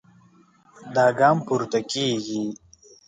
دا ګام پورته کېږي.